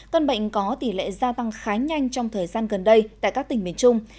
cơn bệnh có tỷ lệ gia tăng khá nhanh trong thời gian gần đây tại các tỉnh miền trung